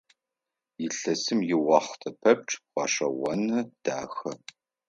Илъэсым иуахътэ пэпчъ гъэшӀэгъоны, дахэ.